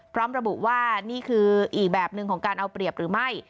พร้อมระบุว่านี่คืออีกแบบหนึ่งของการเอาเปรียบหรือไม่